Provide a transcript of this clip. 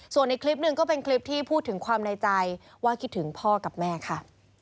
ส่วนอีกคลิปหนึ่งก็เป็นคลิปที่พูดถึงความในใจว่าคิดถึงพ่อกับแม่ค่ะ